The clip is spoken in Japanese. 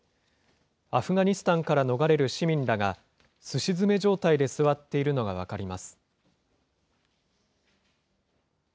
アフガニスタンから逃れる市民らが、すし詰め状態で座っているのが分かります。